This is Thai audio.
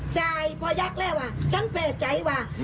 ใช่กว่ายากแล้วว่าฉันแพ้ใจว่า